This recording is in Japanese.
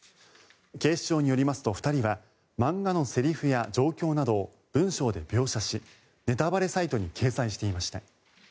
警視庁によりますと２人は漫画のセリフや状況などを文章で描写しネタバレサイトに掲載していました。